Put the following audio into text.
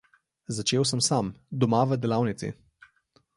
Začel sem sam, doma v delavnici.